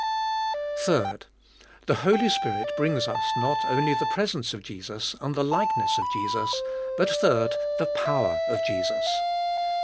3. The Holy Spirit brings us, not only the pres ence of Jesus and the likeness of Jesus, but third, the power of Jesus.